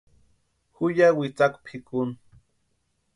Ju ya witsakwa pʼikuni.